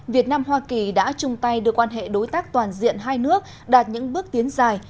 việt nam hoa kỳ đã chung tay đưa quan hệ đối tác toàn diện hai nước đạt những bước tiến dài